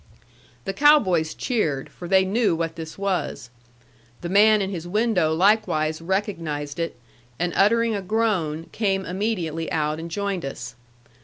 The cow boys cheered, for they knew what this was. The man in his window likewise recognized it, and uttering a groan, came immediately out and joined us.